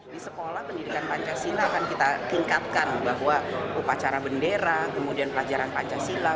di sekolah pendidikan pancasila akan kita tingkatkan bahwa upacara bendera kemudian pelajaran pancasila